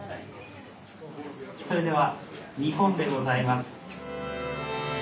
それでは弐献でございます。